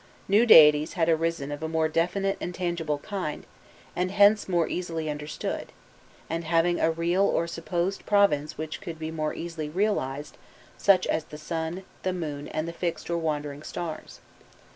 New deities had arisen of a more definite and tangible kind, and hence more easily understood, and having a real or supposed province which could be more easily realized, such as the sun, the moon, and the fixed or wandering stars.